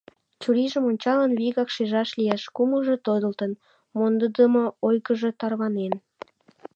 Чурийжым ончалын, вигак шижаш лиеш: кумылжо тодылтын, мондыдымо ойгыжо тарванен.